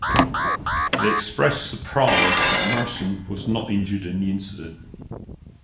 They expressed surprise that Merson was not injured in the incident.